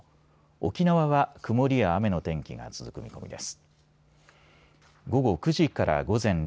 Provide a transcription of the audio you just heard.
沖縄は曇りや雨の天気が続く見込みです。